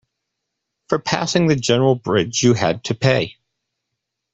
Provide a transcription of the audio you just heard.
For passing the general bridge, you had to pay.